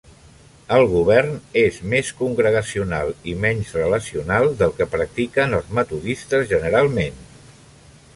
El govern és més congregacional i menys relacional del que practiquen els metodistes generalment.